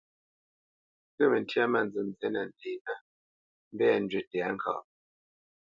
Ghyə̂ məntyâ mâ nzənzí nə nděnə mbɛ̂ njywí tɛ̌ŋkaʼ.